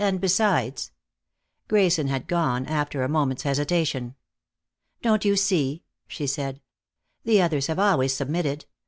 And besides " Grayson had gone, after a moment's hesitation. "Don't you see?" she said. "The others have always submitted.